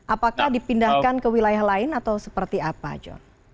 apakah dipindahkan ke wilayah lain atau seperti apa john